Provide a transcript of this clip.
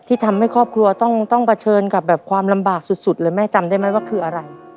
ทำให้ครอบครัวต้องเผชิญกับแบบความลำบากสุดเลยแม่จำได้ไหมว่าคืออะไร